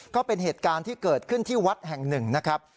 ก็เป็นเหตุการณ์ที่เกิดขึ้นที่วัดแห่งหนึ่งนะครับ